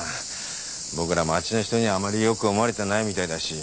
僕ら町の人にあまり良く思われてないみたいだし。